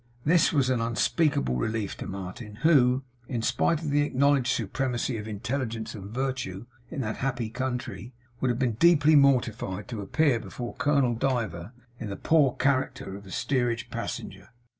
This was an unspeakable relief to Martin, who, in spite of the acknowledged supremacy of Intelligence and virtue in that happy country, would have been deeply mortified to appear before Colonel Diver in the poor character of a steerage passenger.